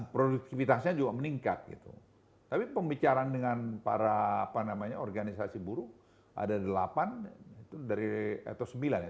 produktivitasnya juga meningkat gitu tapi pembicaraan dengan para apa namanya organisasi buruh ada delapan itu dari atau sembilan ya